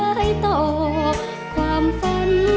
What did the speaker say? สลายเลือดความมุ่งมัน